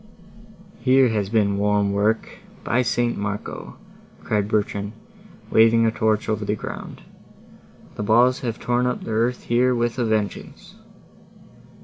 "Here has been warm work, by St. Marco!" cried Bertrand, waving a torch over the ground; "the balls have torn up the earth here with a vengeance."